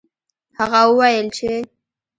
هغه وویل چې